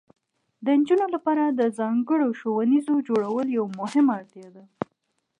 د نجونو لپاره د ځانګړو ښوونځیو جوړول یوه مهمه اړتیا ده.